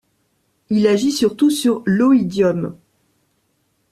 Il agit surtout sur l'oïdium.